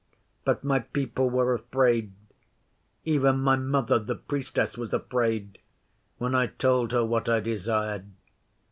But my people were afraid. Even, my Mother, the Priestess, was afraid when I told her what I desired.